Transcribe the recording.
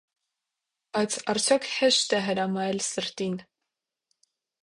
Բայց արդյոք հե՞շտ է հրամայել սրտին։